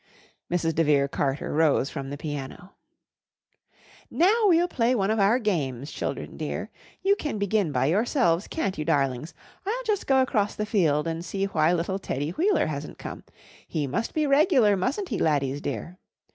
Mrs. de Vere Carter rose from the piano. "Now, we'll play one of our games, children dear. You can begin by yourselves, can't you, darlings? I'll just go across the field and see why little Teddy Wheeler hasn't come. He must be regular, mustn't he, laddies dear?